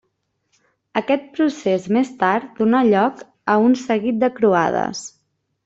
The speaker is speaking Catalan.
Aquest procés més tard donà lloc a un seguit de croades.